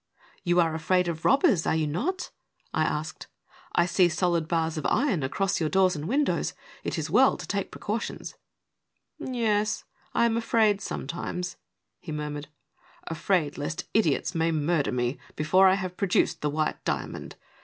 "You are afraid of robbers, are you not?" I asked. " I see solid bars of iron across your doors and windows. It is well to take precautions." " Yes, I am afraid sometimes," he murmured, " afraid A STRANGE PHILOSOPHER. 823 lest idiots may murder me before I have produced the white diamond.